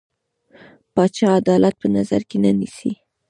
پاچا عدالت په نظر کې نه نيسي.